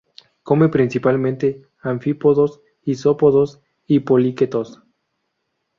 Come principalmente anfípodos, isópodos y poliquetos.